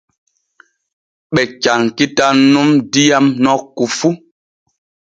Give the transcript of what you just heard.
Ɓe cankitan nun diyam nokku fu.